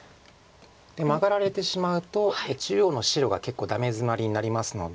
マガられてしまうと中央の白が結構ダメヅマリになりますので。